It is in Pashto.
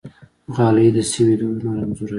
غالۍ د سیمې دودونه انځوروي.